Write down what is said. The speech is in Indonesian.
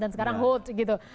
dan sekarang hold gitu